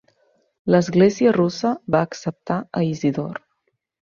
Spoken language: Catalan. L'església russa va acceptar a Isidor.